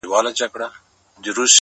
زه زما او ستا و دښمنانو ته!